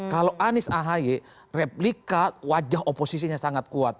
kalau anies ahy replika wajah oposisinya sangat kuat